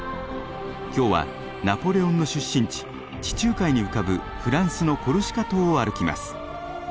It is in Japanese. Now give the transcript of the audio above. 今日はナポレオンの出身地地中海に浮かぶフランスのコルシカ島を歩きます。